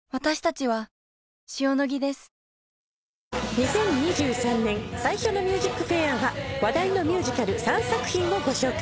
２０２３年最初の『ＭＵＳＩＣＦＡＩＲ』は話題のミュージカル３作品をご紹介。